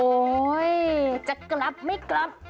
โอ๊ยจะกลับไม่กลับ